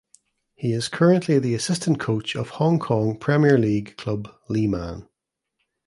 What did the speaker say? He is currently the assistant coach of Hong Kong Premier League club Lee Man.